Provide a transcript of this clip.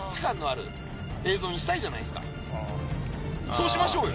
そうしましょうよ。